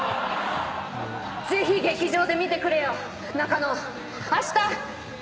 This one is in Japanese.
ぜひ劇場で見てくれよ中野。